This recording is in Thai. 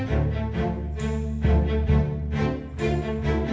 สรุปแล้ววันที่สี่นี่ตรงนู้นกรุงเทพยังมีการระบาดหนัก